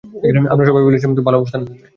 আমরা সবাই ভেবেছিলাম তুমি ভালো অবস্থানে থাকবে।